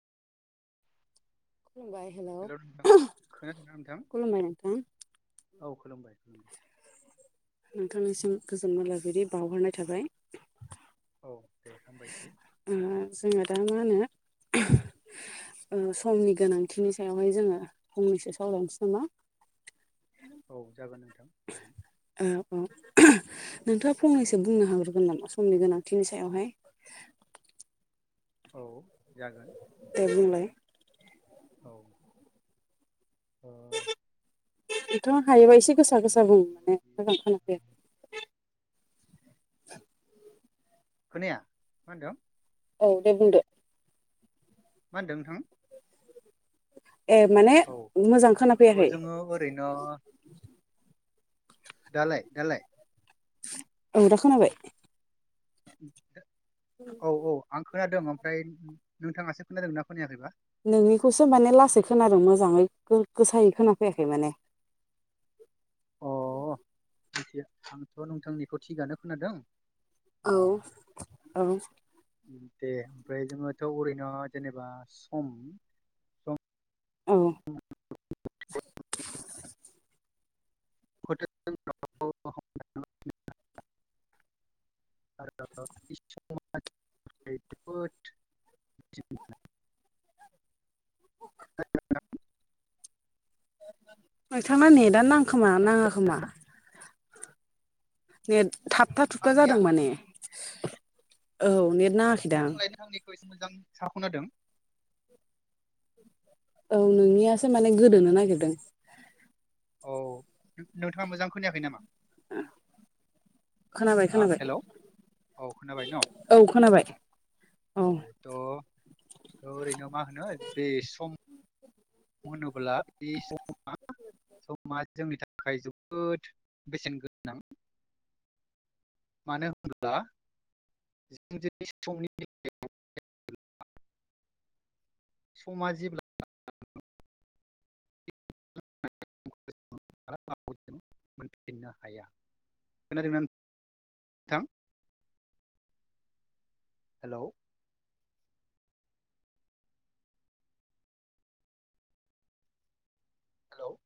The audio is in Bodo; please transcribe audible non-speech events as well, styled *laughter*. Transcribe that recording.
खुलुमबाय नोंथां हेल' खोनादोंना नोंथां खुलुमबाय नोंथां। औ खुलुमबाय। नोंथांनिसिम गोजोन मोनाबिलि बावहरनाय थाबाय। औ दे हामबायसै ओ जोङो दा मा होनो ओ समनि गोनांथिनि सायावहाय जोङो फंनैसो सावरायायनोसै नामा? *inaudible* औ जागोन। नोंथां जागोन ओ औ नोंथाङा फंनैसो बुंनो हाग्रोगोन नामा समनि गोनांथिनि सायावहाय? औ जागोन। दे बुंलाय। औ। ओ *unintelligible* नोंथाङा हायोबा नोंथांखौ एसे हामबाय गोसा गोसा होनदों बुं माने बेबायदि मोजां खोनाफैयाखै। खोनाया मा होनदों? औ दे बुंदो। मा होनदों नोंथां? ए माने औ मोजां खोना थ' फैयाखै। जोङो ओरैनो दालाय दालाय? औ दा खोनाबाय। औ औ आं खोनादों ओमफ्राय नोंथाङासो खोनादों ना खोनायाखैबा? नोंनिखौसो माने लासै खोनादों मोजाङै गोसायै खोनाफैयाखै माने। अ *unintelligible* मिथिया आंथ' नोंथांनिखौ थिगानो खोनादों। औ ओ औ। दे ओमफ्राय जोङोथ' ओरैनो जेनेबा सम सम औ। *unintelligible* *unintelligible* *unintelligible* *unintelligible* नोंथांना नेदा नांखोमा नाङा खोमा। नेथ थाबथा थुुबथा जादों माने। औ नेथ नांङाखै दां। आंलाय नोंथांनिखौ मोजां साव खोनादों। औ नोंनियासो माने गोदोनो नागिरदों। औ नोंथाङा मोजां खोनायाखै नामा? खोनाबाय हा खोनाबाय हेलौ औ खोनाबाय न औ खोनाबाय। औ थ' ओरैनो मा होनो बे सम *inaudible* होनोब्ला बै समा। समा जोंनि थाखाय जोबोद बेसेन गोनां। मानो होनोब्ला *unintelligible* समा जेब्ला ज *inaudible* मोनफिननो हाया खोनादोना नों थां? हेलौ। हेलौ।